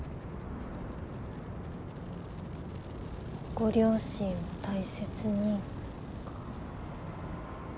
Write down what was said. ご両親を大切にか。